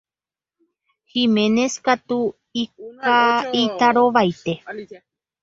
Giménez katu itarovaite.